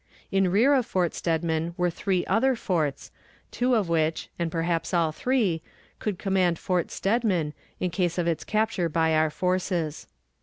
In rear of Fort Steadman were three other forts, two of which, and perhaps all three, could command Fort Steadman, in case of its capture by our forces.